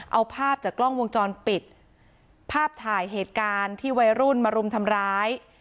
เอาภาพจากกล้องวงจรปิดภาพถ่ายเหตุการณ์ที่วัยรุ่นมารุมทำร้าย